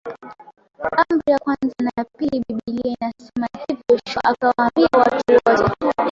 Amri ya kwanza na ya Pili Biblia yasema hivi Yoshua akawaambia watu wote